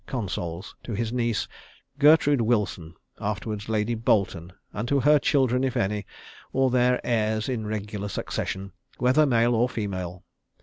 consols, to his niece, Gertrude Wilson (afterwards Lady Boleton), and to her children, if any, or their heirs in regular succession, whether male or female.